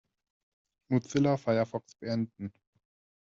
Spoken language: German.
Mozilla Firefox beenden.